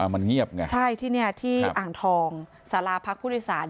มันเงียบไงใช่ที่เนี่ยที่อ่างทองสาราพักผู้โดยสาร